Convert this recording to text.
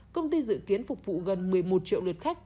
công ty dự kiến phục vụ gần một mươi một triệu lượt khách